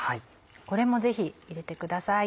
これもぜひ入れてください。